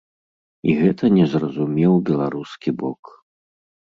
І гэта не зразумеў беларускі бок.